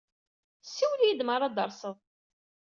Siwel-iyi-d mi ara d-terseḍ.